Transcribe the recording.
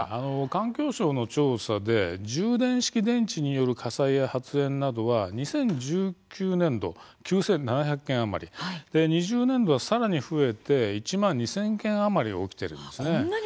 環境省の調査で充電式電池による火災や発煙などは２０１９年度、９７００件余り２０年度はさらに増えて１万２０００件余り起きています。